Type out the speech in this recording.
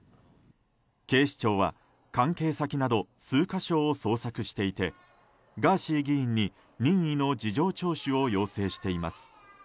警視庁は関係先など数か所を捜索していてガーシー議員に任意の事情聴取を要請しています。